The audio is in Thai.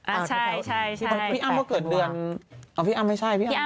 อ่าใช่พี่อ้ำเขาเกิดเดือนอ้ะพี่อ้ำไม่ใช่